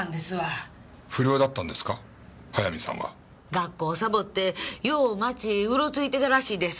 学校をサボってよう町うろついてたらしいですわ。